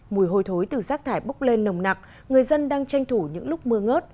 mùi hôi thối từ rác thải bốc lên nồng nặng người dân đang tranh thủ những lúc mưa ngớt